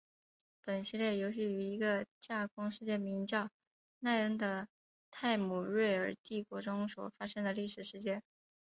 本系列游戏于一个架空世界名叫奈恩的泰姆瑞尔帝国中所发生的历史事件。